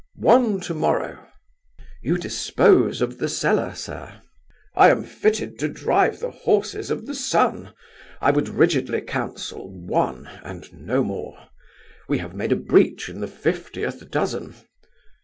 "One to morrow." "You dispose of the cellar, sir." "I am fitter to drive the horses of the sun. I would rigidly counsel, one, and no more. We have made a breach in the fiftieth dozen.